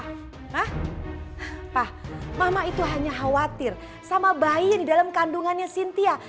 hah mama itu hanya khawatir sama bayi di dalam kandungannya sintia